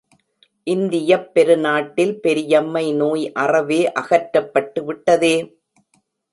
இந்தியப் பெரு நாட்டில் பெரியம்மை நோய் அறவே அகற்றப்பட்டு விட்டதே!